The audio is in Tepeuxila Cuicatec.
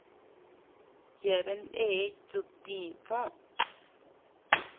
Yeabean ndee duytï Fo.